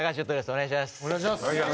お願いします。